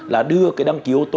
là đưa đăng kiếu